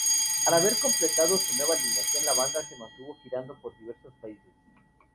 Al haber completado su nueva alineación, la banda se mantuvo girando por diversos países.